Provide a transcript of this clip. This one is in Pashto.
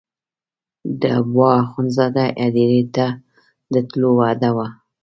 د حبوا اخندزاده هدیرې ته د تلو وعده وه.